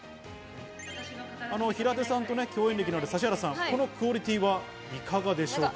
平手さんと共演歴のある指原さん、このクオリティーはいかがでしょうか？